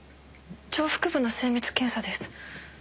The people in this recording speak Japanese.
上腹部の精密検査です。